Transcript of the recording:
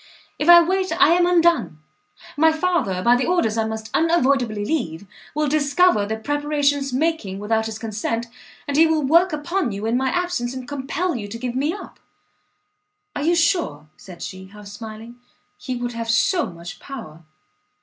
If I wait I am undone! my father, by the orders I must unavoidably leave, will discover the preparations making without his consent, and he will work upon you in my absence, and compel you to give me up!" "Are you sure," said she, half smiling, "he would have so much power?"